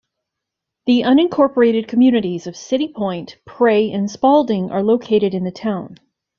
The unincorporated communities of City Point, Pray, and Spaulding are located in the town.